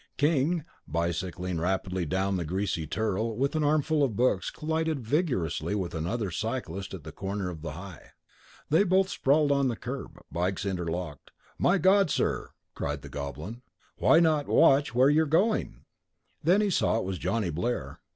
King, bicycling rapidly down the greasy Turl with an armful of books, collided vigorously with another cyclist at the corner of the High. They both sprawled on the curb, bikes interlocked. "My god, sir!" cried the Goblin; "Why not watch where you're going?" Then he saw it was Johnny Blair.